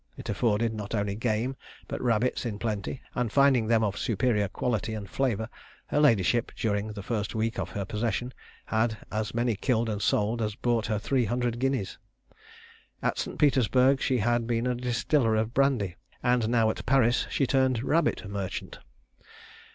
It afforded not only game, but rabbits in plenty; and finding them of superior quality and flavour, her ladyship, during the first week of her possession, had as many killed and sold as brought her three hundred guineas. At St. Petersburgh she had been a distiller of brandy; and now at Paris she turned rabbit merchant.